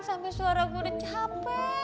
sampai suara gue udah capek